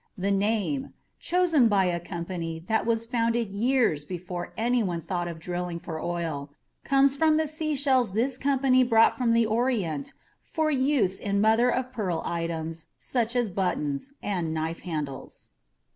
The name chosen by a company that was founded years before anyone thought of drilling for oil comes from the seashells this company brought from the Orient for use in mother of pearl items such as buttons and knife handles.